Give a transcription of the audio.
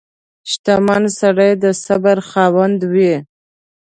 • شتمن سړی د صبر خاوند وي.